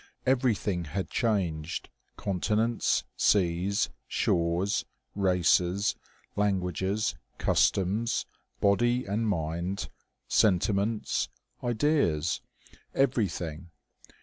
Every thing had changed : continents, seas, shores, races, lan guages, customs, body and mind, sentiments, ideas every thing.